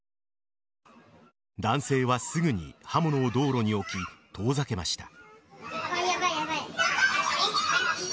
男性は、すぐに刃物を道路に置き遠ざけました。